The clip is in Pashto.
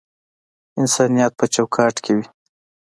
انسانیت په چوکاټ کښی وی